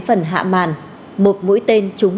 phần hạ màn một mũi tên trúng